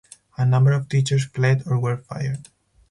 A number of teachers fled or were fired.